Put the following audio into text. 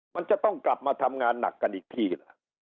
มันจะต้องกลับมาทำงานหนักกันอีกทีล่ะ